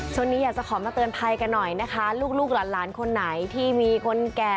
อยากจะขอมาเตือนภัยกันหน่อยนะคะลูกหลานคนไหนที่มีคนแก่